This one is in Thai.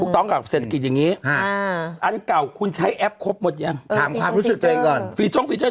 คุกต้องกับเศรษฐกิจอย่างงี้อ่าอันเก่าคุณใช้แอปครบหมดยังเออถามความรู้สึกเจอก่อน